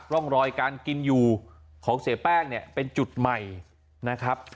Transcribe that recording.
ร่องรอยการกินอยู่ของเสียแป้งเนี่ยเป็นจุดใหม่นะครับ